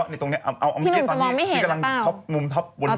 พี่หนุ่มจะมองไม่เห็นแล้วเปล่า